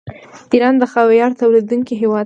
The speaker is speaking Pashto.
ایران د خاویار تولیدونکی هیواد دی.